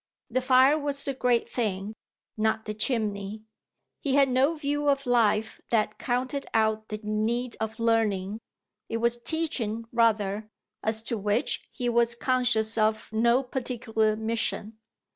The fire was the great thing, not the chimney. He had no view of life that counted out the need of learning; it was teaching rather as to which he was conscious of no particular mission.